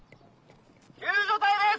救助隊です。